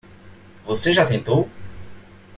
Você já tentou?